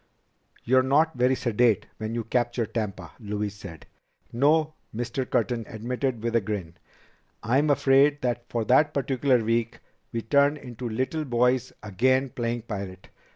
"You're not very sedate when you capture Tampa," Louise said. "No," Mr. Curtin admitted with a grin, "I'm afraid that for that particular week we turn into little boys again playing pirate.